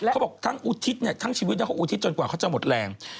เขาบอกทั้งอุทิศเนี่ยทั้งชีวิตเขาอุทิศจนกว่าเขาจะหมดแรง